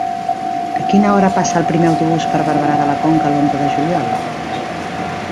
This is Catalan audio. A quina hora passa el primer autobús per Barberà de la Conca l'onze de juliol?